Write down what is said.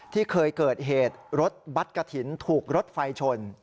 ที่เคยเกิดเหตุรถบัตรกระถิ่นถูกรถไฟชน